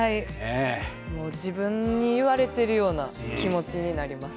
自分に言われているような気持ちになります。